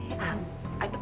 itu suara dan ini berkarir